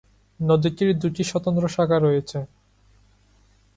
নদীটির দুটি স্বতন্ত্র শাখা রয়েছে।